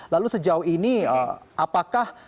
lalu sejauh ini apakah